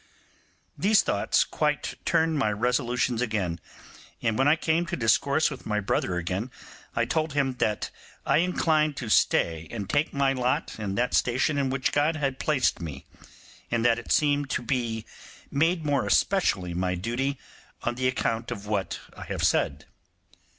These thoughts quite turned my resolutions again, and when I came to discourse with my brother again I told him that I inclined to stay and take my lot in that station in which God had placed me, and that it seemed to be made more especially my duty, on the account of what I have said.